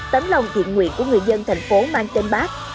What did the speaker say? tấm lòng thiện nguyện của người dân thành phố mang tên bác